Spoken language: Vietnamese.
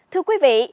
thưa quý vị